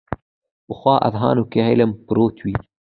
پخو اذهانو کې علم پروت وي